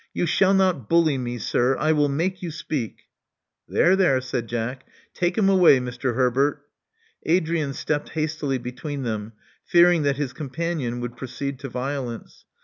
You shall not bully me, sir. I will make you speak." There, there," said Jack. Take him away, Mr. Herbert." Adrian stepped hastily between them, fearing that his companion would proceed to violence.